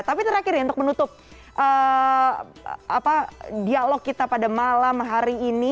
tapi terakhir untuk menutup dialog kita pada malam hari ini